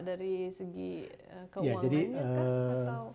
dari segi keuangannya kan